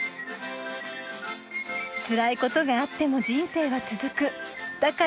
つらいことがあっても人生は続くだから明るく前向きか。